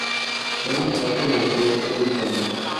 Forma parte de Toy Story Toons.